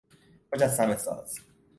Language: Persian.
مجسمه ساز